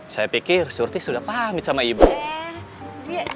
saya pikir dia sudah pergi dari sini tapi belum lama bu